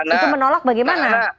itu menolak bagaimana